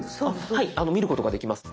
はい見ることができます。